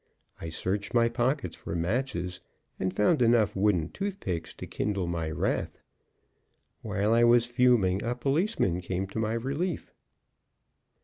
I searched my pockets for matches, and found enough wooden toothpicks to kindle my wrath. While I was fuming, a policeman came to my relief.